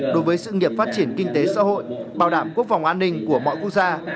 đối với sự nghiệp phát triển kinh tế xã hội bảo đảm quốc phòng an ninh của mọi quốc gia